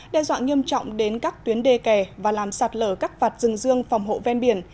đe dọa nghiêm trọng đến các tuyến đê kè và làm sạt lở các vạt rừng dương phòng hộ ven biển